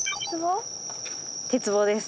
鉄棒です。